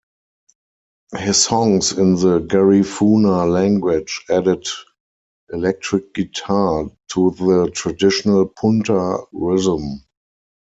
His songs in the Garifuna language added electric guitar to the traditional punta rhythm.